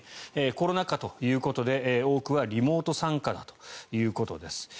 コロナ禍ということで多くはリモート参加だということです。